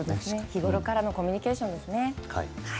日ごろからのコミュニケーションですね。